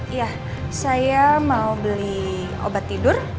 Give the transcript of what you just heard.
iya saya mau beli obat tidur